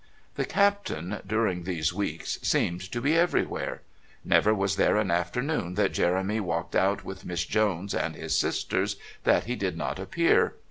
The Captain, during these weeks, seemed to be everywhere. Never was there an afternoon that Jeremy walked out with Miss Jones and his sisters that he did not appear.